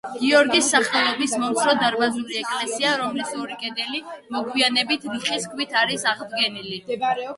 გიორგის სახელობის მომცრო დარბაზული ეკლესია, რომლის ორი კედელი მოგვიანებით რიყის ქვით არის აღდგენილი.